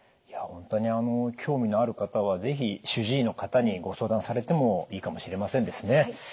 いや本当にあの興味のある方は是非主治医の方にご相談されてもいいかもしれませんですね。